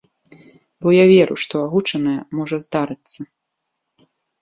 Бо я веру, што агучанае можа здарыцца.